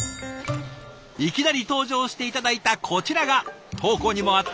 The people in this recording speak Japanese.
いきなり登場して頂いたこちらが投稿にもあった